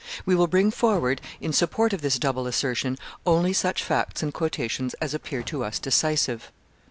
We will bring forward in support of this double assertion only such facts and quotations as appear to us decisive.